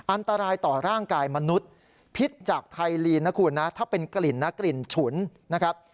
อันตรายต่อร่างกายมนุษย์พิษจากไทยลีนนะคุณนะถ้าเป็นกลิ่นนะกลิ่นฉุนนะครับ